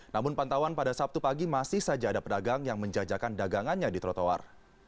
namun pantauan pada sabtu pagi masih saja ada pedagang yang menjajakan dagangannya di trotoar